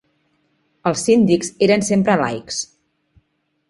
Els síndics eren sempre laics.